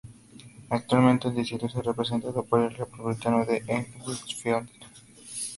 Actualmente el distrito está representado por el Republicano Ed Whitfield.